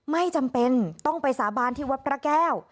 ไม่จำเป็นต้องไปสาบานที่วัดพระแก้ว